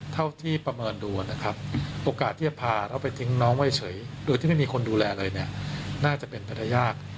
เท่าที่ประเมินดูนะครับโอกาสที่จะพาเราไปทิ้งน้องไว้เฉยโดยที่ไม่มีคนดูแลเลยเนี่ยน่าจะเป็นไปได้ยาก